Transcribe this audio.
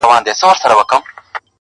• هر څوک خپل بار وړي تل,